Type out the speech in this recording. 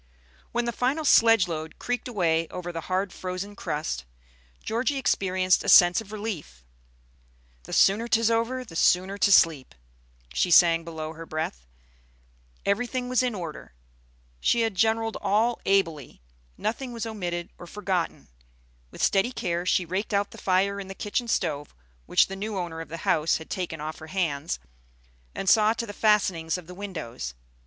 When the final sledge load creaked away over the hard frozen crust, Georgie experienced a sense of relief. "The sooner 'tis over, the sooner to sleep," she sang below her breath. Everything was in order. She had generalled all ably; nothing was omitted or forgotten. With steady care she raked out the fire in the kitchen stove, which the new owner of the house had taken off her hands, and saw to the fastenings of the windows.